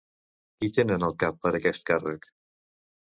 Qui tenen al cap per a aquest càrrec?